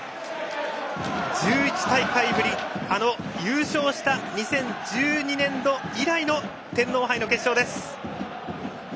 １１大会ぶりあの優勝した２０１２年度以来の天皇杯の決勝です。